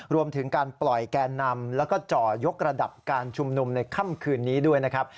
รวมถึงการปล่อยแกนนำแล้วก็จ่อยกระดับการชุมนุมในค่ำคืนนี้ด้วยนะครับ